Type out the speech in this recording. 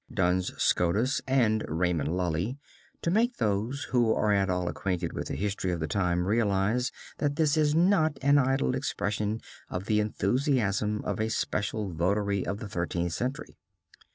Duns Scotus, and Raymond Lully to make those who are at all acquainted with the history of the time realize, that this is not an idle expression of the enthusiasm of a special votary of the Thirteenth Century.